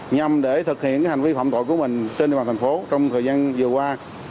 nhằm để thực hiện hành vi phạm tội của mình trên địa bàn thành phố trong thời gian vừa qua